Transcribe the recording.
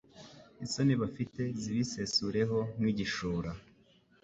isoni bafite zibisesureho nk’igishura